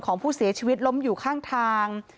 ของผู้เสียชีวิตล้มอยู่ข้างทาง